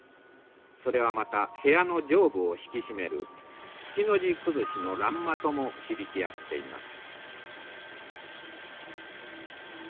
それはまた部屋の上部を引き締める月の字くずしの欄間とも響き合っています。